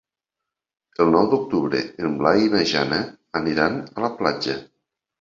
El nou d'octubre en Blai i na Jana aniran a la platja.